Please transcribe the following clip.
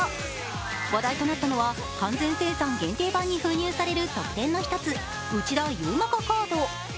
話題となったのは完全生産限定版に封入される特典の１つ、内田雄馬化カード。